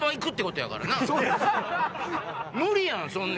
無理やん